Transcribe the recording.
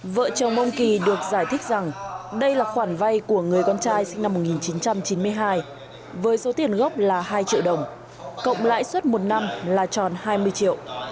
vợ chồng ông kỳ được giải thích rằng đây là khoản vay của người con trai sinh năm một nghìn chín trăm chín mươi hai với số tiền gốc là hai triệu đồng cộng lãi suất một năm là tròn hai mươi triệu